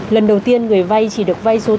lần đầu tiên người vay chỉ được vay dô tình